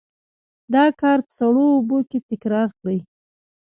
دا کار په سړو اوبو کې تکرار کړئ.